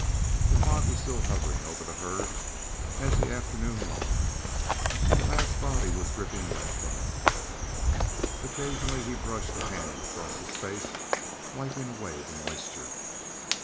The fog was still hovering over the herd as the afternoon waned, and the lad's body was dripping wet from it. Occasionally he brushed a hand across his face, wiping away the moisture.